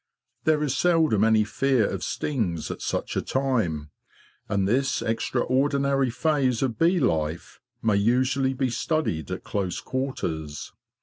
There is seldom any fear of stings at such a time, and this extraordinary phase of bee life may usually be studied at close quarters.